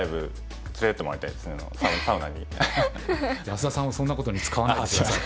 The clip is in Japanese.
安田さんをそんなことに使わないで下さい。